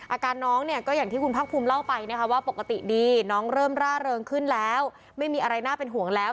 อาการน้องเนี่ยก็อย่างที่คุณพักภูมิเล่าไปนะคะว่าปกติดีน้องเริ่มร่าเริงขึ้นแล้วไม่มีอะไรน่าเป็นห่วงแล้ว